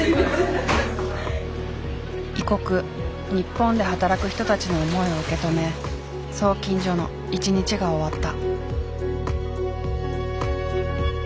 異国日本で働く人たちの思いを受け止め送金所の一日が終わった。